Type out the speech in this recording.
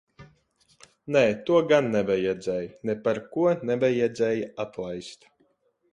Nē, to gan nevajadzēja. Neparko nevajadzēja atlaist.